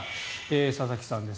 佐々木さんです。